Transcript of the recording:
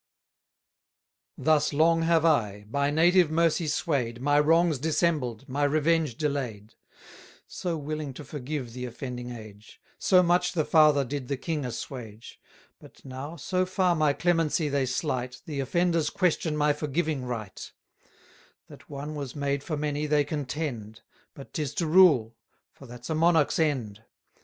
Thus long have I, by native mercy sway'd, My wrongs dissembled, my revenge delay'd: 940 So willing to forgive the offending age; So much the father did the king assuage. But now so far my clemency they slight, The offenders question my forgiving right: That one was made for many, they contend; But 'tis to rule; for that's a monarch's end.